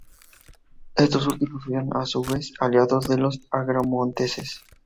Estos últimos serían a su vez aliados de los agramonteses.